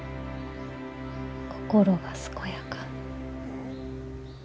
心が健やか健彦。